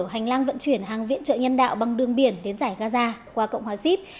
hành lang vận chuyển hàng viện trợ nhân đạo bằng đường biển đến giải gaza qua cộng hòa xíp